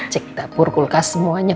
cek dapur kulkas semuanya